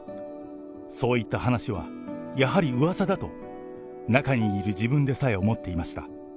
そういった話は、やはりうわさだと、中にいる自分でさえ思っていました。